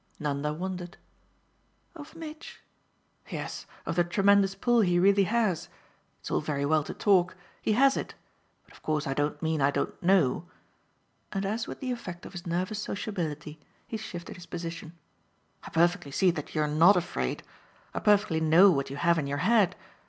Nanda wondered. "Of Mitch?" "Yes, of the tremendous pull he really has. It's all very well to talk he HAS it. But of course I don't mean I don't know" and as with the effect of his nervous sociability he shifted his position. "I perfectly see that you're NOT afraid. I perfectly know what you have in your head.